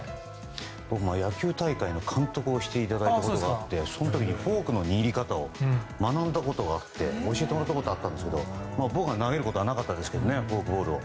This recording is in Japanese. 僕も野球大会の監督をしていただいたことがあってその時にフォークの握り方を学んだことがあって教えてもらったことがあって投げることはなかったんですがフォークボールを。